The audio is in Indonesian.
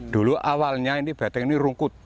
dulu awalnya ini benteng ini rungkut